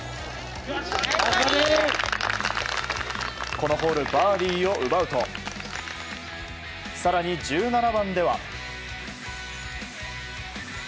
このホールバーディーを奪うと更に１７番では。